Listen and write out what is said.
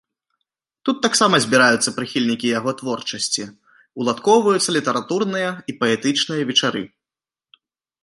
Тут таксама збіраюцца прыхільнікі яго творчасці, уладкоўваюцца літаратурныя і паэтычныя вечары.